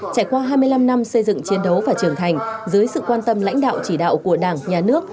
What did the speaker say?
trải qua hai mươi năm năm xây dựng chiến đấu và trưởng thành dưới sự quan tâm lãnh đạo chỉ đạo của đảng nhà nước